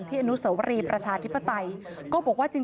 ที่ได้รับทางในโรงแรม